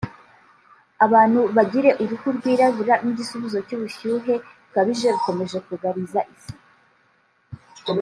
abantu bagire uruhu rw’irabura nk’igisubizo cy’ubushyuhe bukabije bukomeje kugariza isi